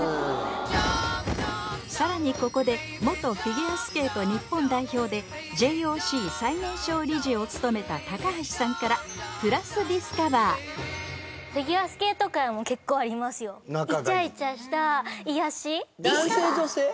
さらにここで元フィギュアスケート日本代表でＪＯＣ最年少理事を務めた高橋さんから結構イチャイチャした癒やし男性女性？